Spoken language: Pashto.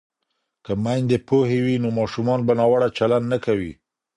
که میندې پوهې وي نو ماشومان به ناوړه چلند نه کوي.